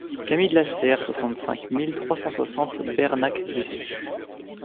Cami de la Serre, soixante-cinq mille trois cent soixante Bernac-Dessus